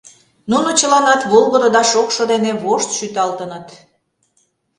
нуно чыланат волгыдо да шокшо дене вошт шӱталтыныт.